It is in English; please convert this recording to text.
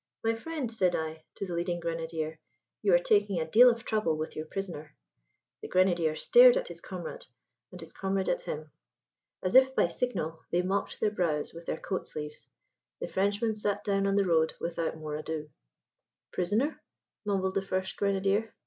"My friend," said I to the leading grenadier, "you are taking a deal of trouble with your prisoner." The grenadier stared at his comrade, and his comrade at him. As if by signal they mopped their brows with their coat sleeves. The Frenchman sat down on the road without more ado. "Prisoner?" mumbled the first grenadier.